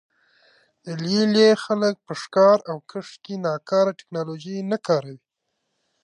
د لې لې خلک په ښکار او کښت کې ناکاره ټکنالوژي نه کاروي